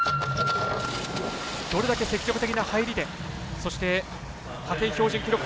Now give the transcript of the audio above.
どれだけ積極的な入りでそして派遣標準記録